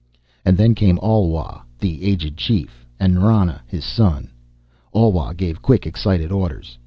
And then came Alwa, the aged chieftain, and Nrana, his son. Alwa gave quick, excited orders.